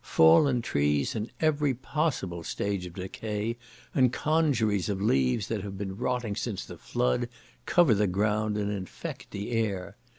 Fallen trees in every possible stage of decay, and congeries of leaves that have been rotting since the flood, cover the ground and infect the air.